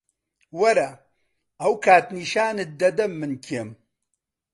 وەرە، ئەو کات نیشانت دەدەم من کێم.